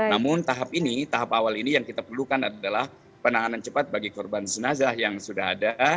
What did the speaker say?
namun tahap ini tahap awal ini yang kita perlukan adalah penanganan cepat bagi korban jenazah yang sudah ada